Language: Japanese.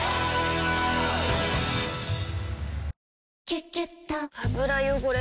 「キュキュット」油汚れ